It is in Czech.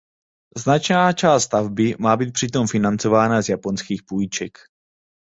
Značná část stavby má být přitom financována z japonských půjček.